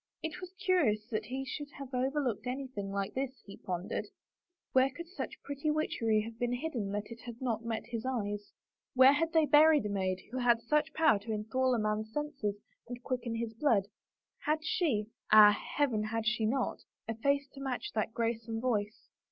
It was curious that he should have overlooked anything like this, he pondered. Where could such pretty witch ery have been hidden that it had not met his eyes? 50 A DANCE WITH A KING Where had they buried a maid who had power to so enthrall a man's senses and quicken his blood? Had she — Ah, Heaven, had she not! — a face to match that grace and voice?